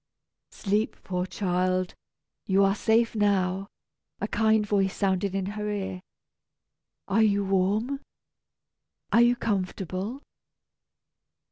"Sleep, poor child, you are safe now," a kind voice sounded in her ear. "Are you warm? Are you comfortable?"